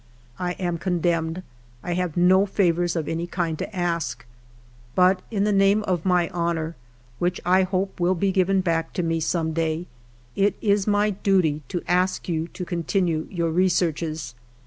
I am condemned. I have no favors of any kind to ask. But, in the name of my honor, which I hope will be given back to me some day, it is my duty to ask you to continue your researches.